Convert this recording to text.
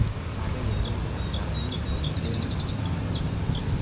Pereu la malamikoj de l' caro!